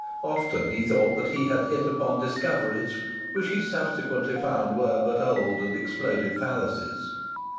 Often he thought he had hit upon discoveries, which he subsequently found were but old and exploded fallacies.